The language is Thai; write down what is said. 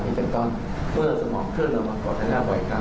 เพียงฉันก็เมื่อสมองเคลื่อนละหวังก่อนให้ได้บ่อยครั้ง